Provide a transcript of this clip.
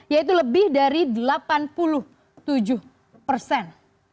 yaitu lebih dari delapan puluh tujuh persen